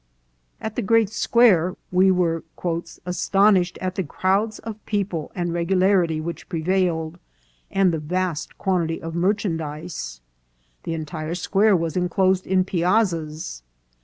" At the great square we were astonished at the crowds of people and the regularity which prevailed, and the vast quantities of merchandise." " The entire square was enclosed in piazzas."